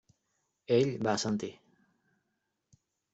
Ell va assentir.